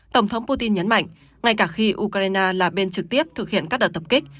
tổng thống putin nhấn mạnh ngay cả khi ukraine là bên trực tiếp thực hiện các đợt tập kích